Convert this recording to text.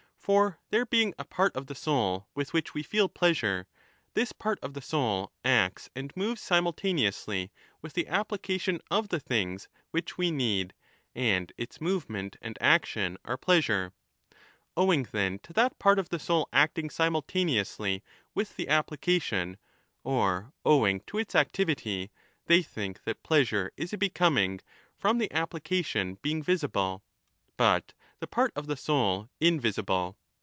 For there being a part of 25 the soul with which we feel pleasure, this part of the soul acts and moves simultaneously with the application of the Ithings which we need, and its movement and action are Ipleasure. Owing, then, to that part of the soul acting I simultaneously with the application, or owing to its activity, 30 they think that pleasure is a becoming, from the applica tion being visible, but the part of the soul invisible.